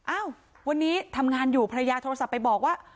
อ้าววันนี้ทำงานอยู่ภรรยาโทรศัพท์ไปบอกว่า